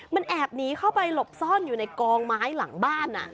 มันแอบหนีเข้าไปหลบซ่อนอยู่ในกองไม้หลังบ้าน